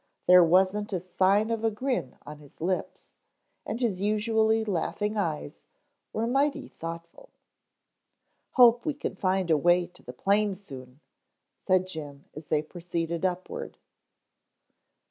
There wasn't a sign of a grin on his lips, and his usually laughing eyes were mighty thoughtful. "Hope we can find a way to the plane soon," said Jim as they proceeded upward.